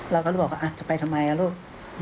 เราก็เลยบอกว่าจะไปทำไมลูก